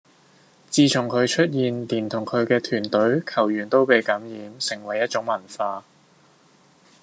自從佢出現，連同佢嘅團隊、球員都被感染，成為一種文化